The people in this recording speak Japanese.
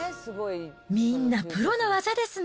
みんなプロの技ですね。